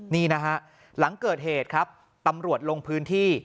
นี่นะฮะหลังเกิดเหตุครับตำรวจลงพื้นที่